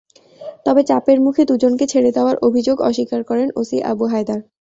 তবে চাপের মুখে দুজনকে ছেড়ে দেওয়ার অভিযোগ অস্বীকার করেন ওসি আবু হায়দার।